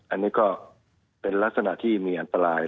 อันนี้ก็เป็นลักษณะที่มีอันตราย